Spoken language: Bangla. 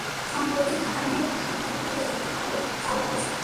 সম্প্রতি ঢাকার মুখ্য মহানগর হাকিম আদালতে একটি কার্গো লিফট চালু করা হয়েছে।